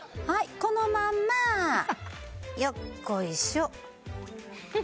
このまんま。よっこいしょ。